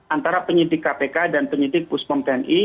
antara penyitik kpk dan penyitik puskom tni